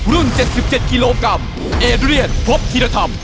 รุ่นเจ็ดสิบเจ็ดกิโลกรัมเอดเรียนพบธีรธรรม